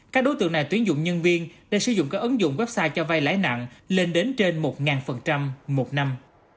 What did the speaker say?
các đối tượng này tuyển dụng nhân viên để sử dụng các ứng dụng website cho vay lãi nặng lên đến trên một một năm